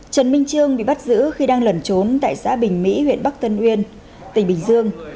trần minh trương bị bắt giữ khi đang lẩn trốn tại xã bình mỹ huyện bắc tân uyên tỉnh bình dương